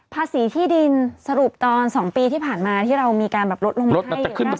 ภาษีที่ดินสรุปตอน๒ปีที่ผ่านมาที่เรามีการแบบลดลงมาให้